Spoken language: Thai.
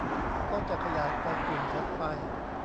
ก็จะขยายไปกลุ่มถัดไป